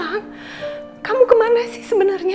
apakah aku memang tak bisa dan saya